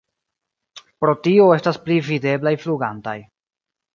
Pro tio estas pli videblaj flugantaj.